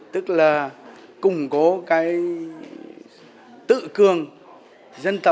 tức là củng cố cái tự cường dân tộc